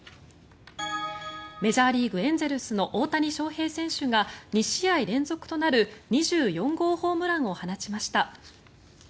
メジャーリーグ、エンゼルスの大谷翔平選手が２試合連続となる２４号ホームランを放ちました。